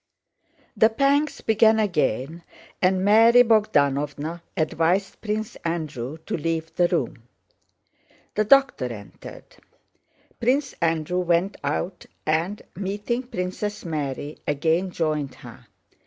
The pangs began again and Mary Bogdánovna advised Prince Andrew to leave the room. The doctor entered. Prince Andrew went out and, meeting Princess Mary, again joined her.